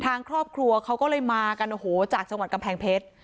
ทางครอบครัวเขาก็เลยมากันโอ้โหจากจังหวัดกำแพงเพชร